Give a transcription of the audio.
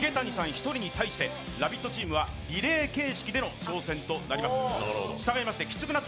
１人に対して「ラヴィット！」はリレー形式での挑戦となります。